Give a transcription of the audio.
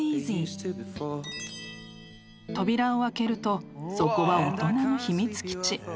［扉を開けるとそこは大人の秘密基地］